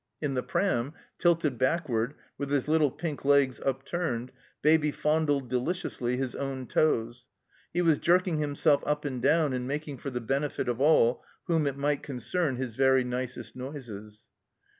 In the pram, tilted backward, with his little pink legs upturned. Baby fondled, deliciously, his own toes. He was jerking himself up and down and making for the benefit of all whom it might concern his very nicest noises.